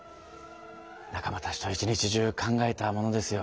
仲間たちと一日じゅう考えたものですよ。